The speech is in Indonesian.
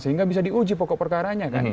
sehingga bisa diuji pokok perkaranya kan